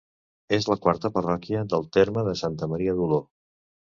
És la quarta parròquia del terme de Santa Maria d'Oló.